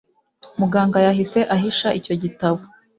Muganga yahise ahisha icyo gitabo.